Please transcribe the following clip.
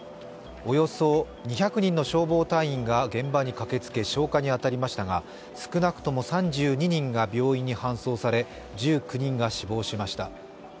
およそ２００人の消防隊員が現場に駆けつけ消火に当たりましたが、少なくとも３２人が病院に搬送され１９人が死亡しました。